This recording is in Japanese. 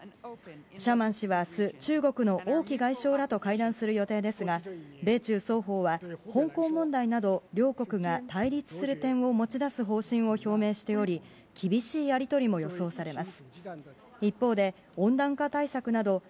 シャーマン氏は明日中国の王毅外相らと会談する予定ですが米中双方は、香港問題など両国が対立する点を持ち出す方針を表明しており厳しいやり取りも予想されます。